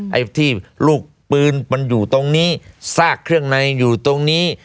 ไอ้ที่ลูกปืนมันอยู่ตรงนี้ซากเครื่องในอยู่ตรงนี้